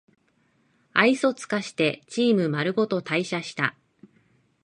愛想つかしてチームまるごと退社した